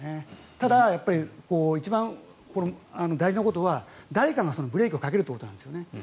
ただ、一番大事なことは誰かがブレーキをかけるということなんですね。